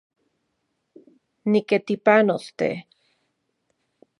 Nitekipanos, te